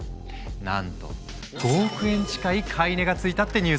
なんと５億円近い買い値がついたってニュースも！